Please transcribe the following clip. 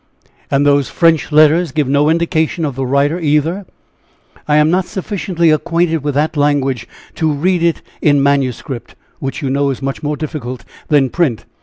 "And those French letters give no indication of the writer, either?" "I am not sufficiently acquainted with that language to read it in manuscript, which, you know, is much more difficult than print.